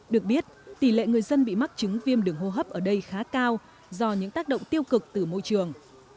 được biết tỷ lệ người dân bị mắc chứng viêm đường hô hấp ở đây khá cao do những tác động tiêu cực từ môi trường